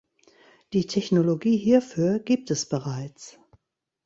Die Technologie hierfür gibt es bereits.